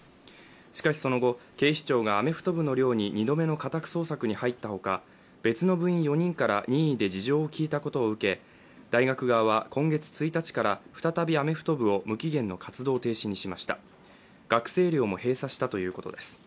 しかし、その後、警視庁がアメフト部の寮に２度目の家宅捜索に入ったほか別の部員４人から任意で事情を聴いたことを受け大学側は今月１日から再びアメフト部を無期限の活動停止にしました学生寮も閉鎖したということです。